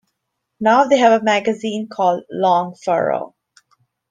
Now they have a magazine called "Long Furrow".